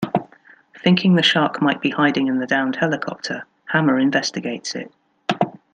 Thinking the shark might be hiding in the downed helicopter, Hammer investigates it.